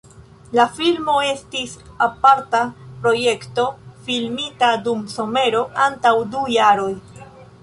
La filmo estis aparta projekto filmita dum somero antaŭ du jaroj.